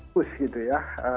push gitu ya